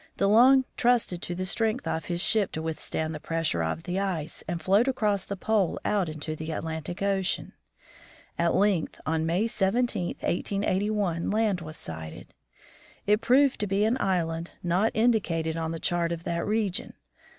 De Long trusted to the strength of his ship to withstand the pressure of the ice, and float across the pole out into the Atlantic ocean. At length, on May 17, 1881, land was sighted. It proved to be an island not indicated on the chart of that region.